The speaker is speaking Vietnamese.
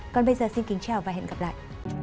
còn bây giờ xin kính chào và hẹn gặp lại